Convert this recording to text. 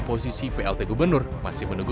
posisi plt gubernur masih menunggu